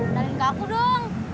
lain ke aku dong